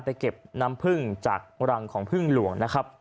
ไปเก็บน้ำพึ่งจากรังของพึ่งหลวง